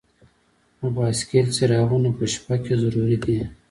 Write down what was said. د بایسکل څراغونه په شپه کې ضروری دي.